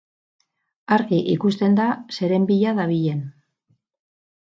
Argi ikusten da zeren bila dabilen.